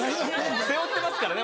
背負ってますからね